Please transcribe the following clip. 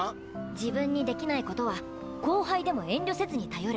自分にできないことは後輩でも遠慮せずに頼る。